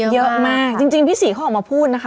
เยอะมากจริงพี่ศรีเขาออกมาพูดนะคะ